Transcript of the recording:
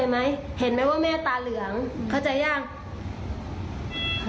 คุณผู้ชมค่ะแล้วเดี๋ยวมาเล่ารายละเอียดเพิ่มให้ฟังค่ะ